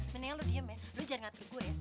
mendingan lo diem ya lo jangan ngaturin gue ya